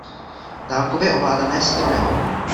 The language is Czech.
Dálkově ovládané stroje.